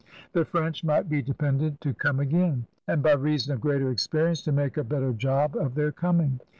The French might be depended to come again and, by reason of greater experience, to make a better job of their coming.